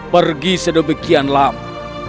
pergi sedemikian lama